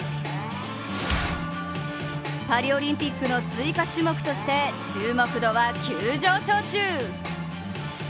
パリオリンピックの追加種目として注目度は急上昇中！